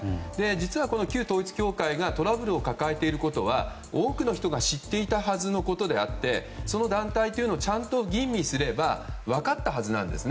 実はこの旧統一教会がトラブルを抱えていたことは多くの人が知っていたはずのことであって、その団体をちゃんと吟味すれば分かったはずなんです。